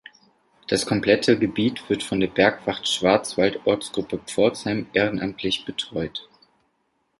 Das komplette Gebiet wird von der Bergwacht Schwarzwald, Ortsgruppe Pforzheim, ehrenamtlich betreut.